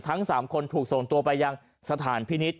ทั้ง๓คนถูกส่งตัวไปยังสถานพินิษฐ